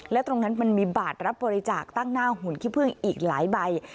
และตรงนั้นมันมีบาทรับบริจาคตั้งหน้าหุ่นขี้พึ่งอีกหลายใบ